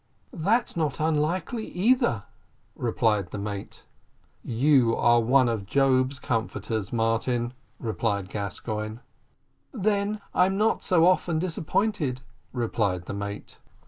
"That's not unlikely either," replied the mate. "You are one of Job's Comforters, Martin," replied Gascoigne. "Then I'm not so often disappointed," replied the mate.